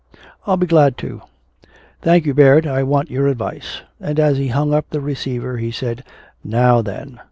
I'll be glad to." "Thank you, Baird, I want your advice." And as he hung up the receiver he said, "Now then!"